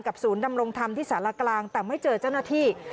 ศูนย์ดำรงธรรมที่สารกลางแต่ไม่เจอเจ้าหน้าที่